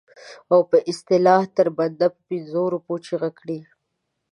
او په اصطلاح تر بنده په پنځو روپو چیغه کړي.